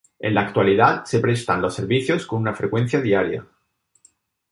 En la actualidad se prestan los servicios con una frecuencia diaria.